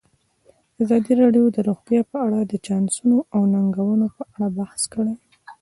ازادي راډیو د روغتیا په اړه د چانسونو او ننګونو په اړه بحث کړی.